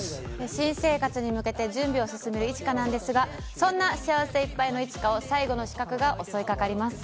新生活に向けて準備を進める一華なんですが、そんな幸せいっぱいの一華を最後の刺客が襲いかかります。